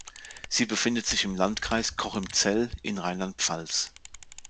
Sie befindet sich im Landkreis Cochem-Zell in Rheinland-Pfalz.